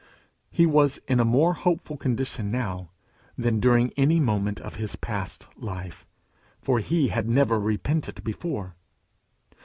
He was in a more hopeful condition now than during any moment of his past life, for he had never repented before.